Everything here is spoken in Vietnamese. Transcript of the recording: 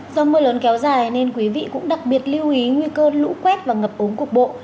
do mưa lớn kéo dài nên quý vị cũng đặc biệt lưu ý nguy cơ lũ quét và ngập ống cục bộ